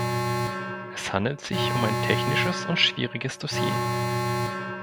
Es handelt sich um ein technisches und schwieriges Dossier.